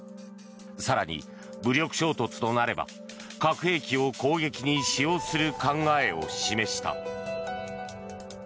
更に武力衝突となれば核兵器を攻撃に使用する考えを示した。